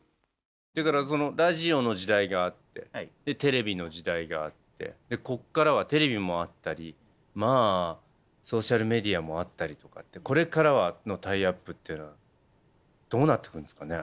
だからそのラジオの時代があってテレビの時代があってこっからはテレビもあったりまあソーシャルメディアもあったりとかってこれからのタイアップっていうのはどうなってくんですかね？